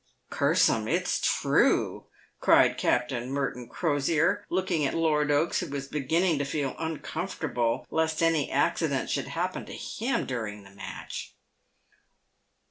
" Curse 'em, it's true," cried Captain Merton Crosier, looking at Lord Oaks, who was beginning to feel uncomfortable, lest any acci 154 PAVED WITH GOLD. dent should happen to him during the match.